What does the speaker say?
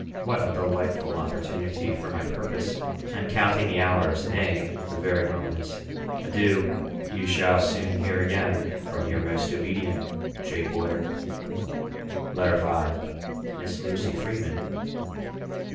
What a delightful opportunity for my purpose! I am counting the hours nay, the very moments. Adieu. You shall soon again hear from your most obedient, J. BOYER. LETTER V. TO MISS LUCY FREEMAN.